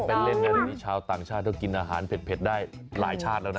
ไปเล่นกันในนี้เช้าต่างชาติกินอาหารเผ็ดได้หลายชาติแล้วนะ